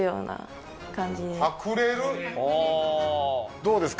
どうですか？